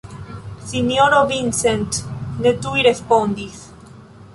Sinjoro Vincent ne tuj respondis.